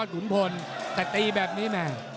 แต่ตีแบบนี้แม่ง